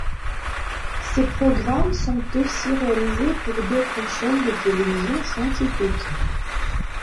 Ces programmes sont aussi réalisés pour d'autres chaines de télévision scientifiques.